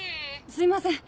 すいません